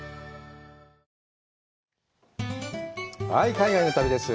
海外の旅です。